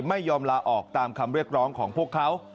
ไม่ยอมลาออกตามคำเรียกร้องของพวกเขา